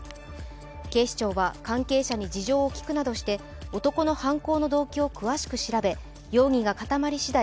警視庁は関係者に事情を聴くなどして男の犯行の動機を詳しく調べ、容疑が固まりしだい